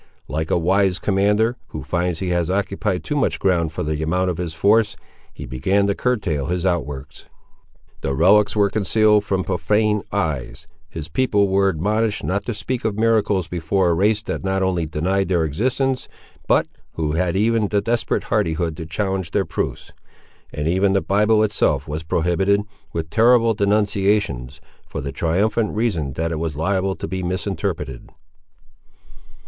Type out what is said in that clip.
Like a wise commander, who finds he has occupied too much ground for the amount of his force, he began to curtail his outworks. The relics were concealed from profane eyes; his people were admonished not to speak of miracles before a race that not only denied their existence, but who had even the desperate hardihood to challenge their proofs; and even the Bible itself was prohibited, with terrible denunciations, for the triumphant reason that it was liable to be misinterpreted.